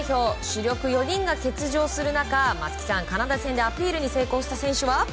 主力４人が欠場する中松木さん、カナダ戦でアピールに成功した選手は？